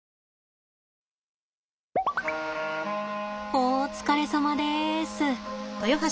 お疲れさまです。